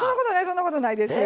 そんなことないですよ。